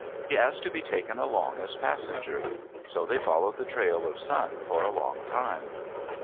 He asked to be taken along as passenger. So they followed the trail of Sun for a long time.